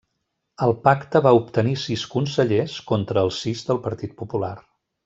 El Pacte va obtenir sis consellers, contra els sis del Partit Popular.